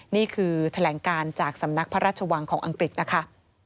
นี่คือแถลงการจากสำนักพระราชวังของอังกฤษนะคะ